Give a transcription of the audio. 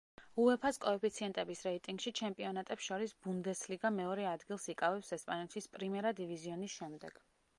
უეფა-ს კოეფიციენტების რეიტინგში ჩემპიონატებს შორის, ბუნდესლიგა მეორე ადგილს იკავებს ესპანეთის პრიმერა დივიზიონის შემდეგ.